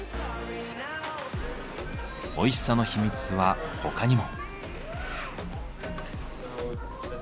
おいしさの秘密は他にも。